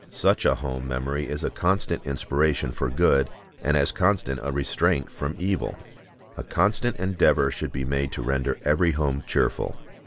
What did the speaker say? Such a home memory is a constant inspiration for good, and as constant a restraint from evil. A constant endeavor should be made to render every home cheerful.